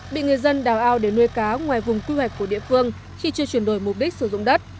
bị người dân đào ao để nuôi cá ngoài vùng quy hoạch của địa phương khi chưa chuyển đổi mục đích sử dụng đất